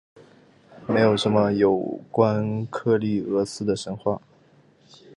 没有什么有关克利俄斯的神话。